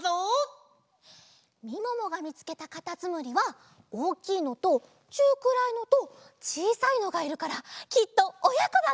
みももがみつけたかたつむりはおおきいのとちゅうくらいのとちいさいのがいるからきっとおやこだね！